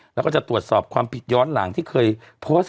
แล้วก็จะตรวจสอบความผิดย้อนหลังที่เคยโพสต์